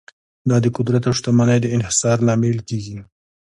دا د قدرت او شتمنۍ د انحصار لامل کیږي.